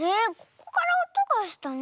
ここからおとがしたね。